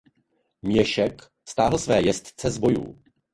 Měšek stáhl své jezdce z bojů.